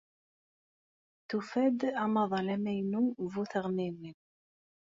Tufa-d amaḍal amaynu bu teɣmiwin.